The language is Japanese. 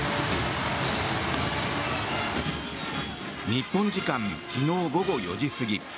日本時間昨日午後４時過ぎ